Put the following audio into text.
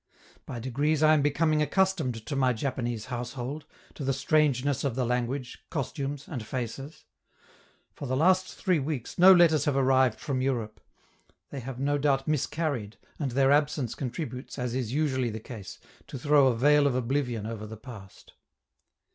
By degrees I am becoming accustomed to my Japanese household, to the strangeness of the language, costumes, and faces. For the last three weeks no letters have arrived from Europe; they have no doubt miscarried, and their absence contributes, as is usually the case, to throw a veil of oblivion over the past.